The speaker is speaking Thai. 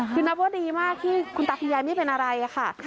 คือนับว่าดีมากที่คุณตาคุณยายไม่เป็นอะไรค่ะ